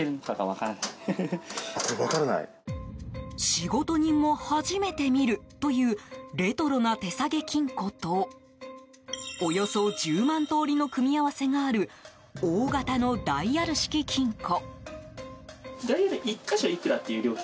仕事人も初めて見るというレトロな手提げ金庫とおよそ１０万通りの組み合わせがある大型のダイヤル式金庫。